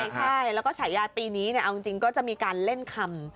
ใช่แล้วก็ฉายาปีนี้เอาจริงก็จะมีการเล่นคำ